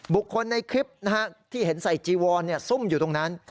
บุคคลในคลิปที่เห็นใส่จีวอนซุ่มอยู่ตรงนั้น